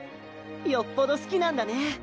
よっぽど好きなんだね。